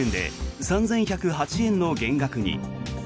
１年で３１０８円の減額に。